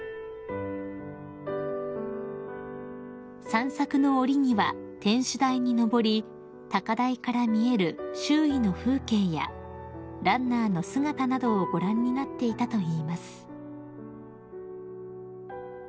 ［散策の折には天守台に上り高台から見える周囲の風景やランナーの姿などをご覧になっていたといいます］